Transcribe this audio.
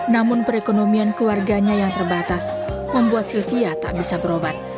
namun perekonomian keluarganya yang terbatas membuat sylvia tak bisa berobat